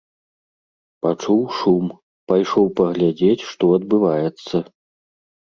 Пачуў шум, пайшоў паглядзець, што адбываецца.